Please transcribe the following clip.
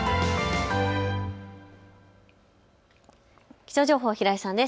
気象情報、平井さんです。